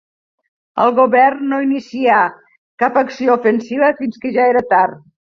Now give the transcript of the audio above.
El Govern no inicià cap acció ofensiva fins que ja era tard